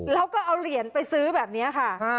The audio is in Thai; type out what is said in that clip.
แล้วก็เอาเหรียญไปซื้อแบบนี้ค่ะ